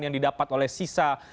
yang didapat oleh sisa